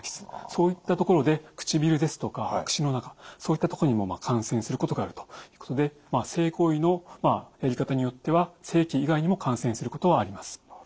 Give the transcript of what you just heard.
そういったところで唇ですとか口の中そういったとこにも感染することがあるということで性行為のやり方によっては性器以外にも感染することはあります。